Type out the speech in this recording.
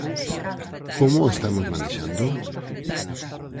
Como o estamos manexando?